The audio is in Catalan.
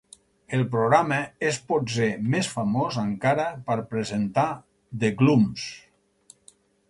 El programa és potser més famós encara per presentar "The Glums".